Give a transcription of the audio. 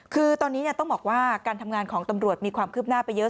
คือตอนนี้ต้องบอกว่าการทำงานของตำรวจมีความคืบหน้าไปเยอะ